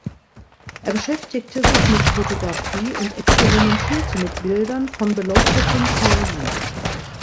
Er beschäftigte sich mit Fotografie und experimentierte mit Bildern von beleuchteten Torsi.